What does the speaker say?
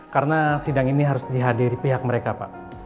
karena sidang ini harus dihadiri pihak mereka pak